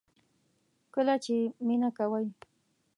کله چې مینه کوئ